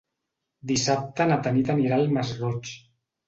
Dissabte na Tanit anirà al Masroig.